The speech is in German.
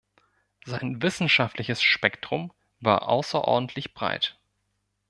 Sein wissenschaftliches Spektrum war außerordentlich breit.